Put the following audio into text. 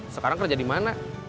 sekarang kerja di mana